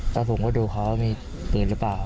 แล้วผมก็ดูเขาว่ามีปืนหรือเปล่า